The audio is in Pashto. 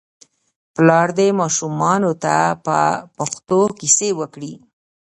پلار دې ماشومانو ته په پښتو کیسې وکړي.